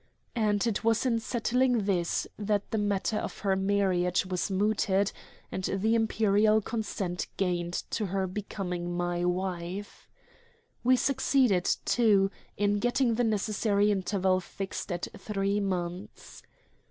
And it was in settling this that the matter of her marriage was mooted and the Imperial consent gained to her becoming my wife. We succeeded, too, in getting the necessary interval fixed at three months.